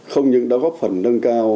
không những đã góp phần nâng cao